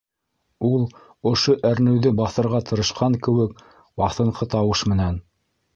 Ул, ошо әрнеүҙе баҫырға тырышҡан кеүек, баҫынҡы тауыш менән: